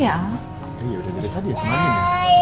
iya udah dari tadi ya semuanya